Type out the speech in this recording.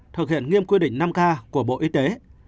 thực hiện nghiêm quy định năm k của bộ y tế